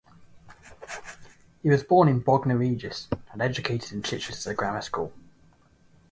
He was born in Bognor Regis and educated at Chichester Grammar School.